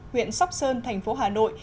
huyện sóc sơn thành phố hà nội